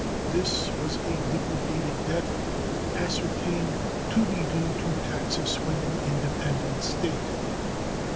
This was a liquidated debt ascertained to be due to Texas when an independent state.